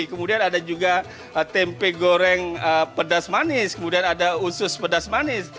kemudian ada juga tempe goreng pedas manis kemudian ada usus pedas manis